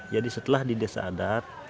jadi setelah di desa adat